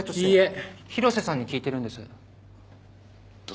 いいえ広瀬さんに聞いてるんです。